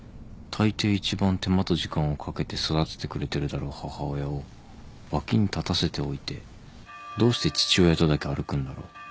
たいてい一番手間と時間をかけて育ててくれてるだろう母親を脇に立たせておいてどうして父親とだけ歩くんだろう。